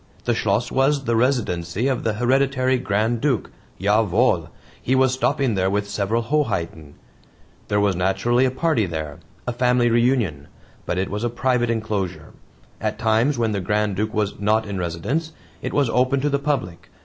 The Schloss was the residency of the hereditary Grand Duke. JA WOHL! He was stopping there with several Hoheiten. There was naturally a party there a family reunion. But it was a private enclosure. At times, when the Grand Duke was "not in residence," it was open to the public.